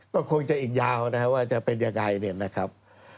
ก็คงจะอีกยาวนะครับว่าจะเป็นยังไงเนี่ยนะครับ